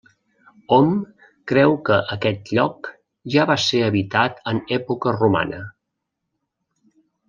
Hom creu que aquest lloc ja va ser habitat en època romana.